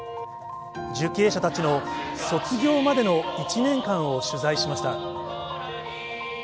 受刑者たちの卒業までの１年間を取材しました。